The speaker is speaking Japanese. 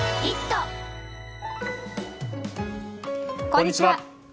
こんにちは。